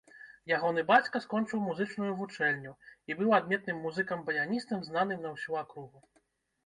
Ягоны бацька скончыў музычную вучэльню і быў адметным музыкам-баяністам, знаным на ўсю акругу.